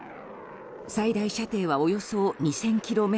最大射程はおよそ２０００ｋｍ。